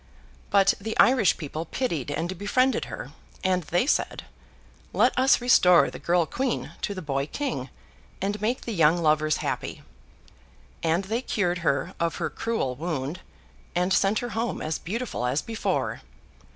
But the Irish people pitied and befriended her; and they said, 'Let us restore the girl queen to the boy king, and make the young lovers happy!' and they cured her of her cruel wound, and sent her home as beautiful as before.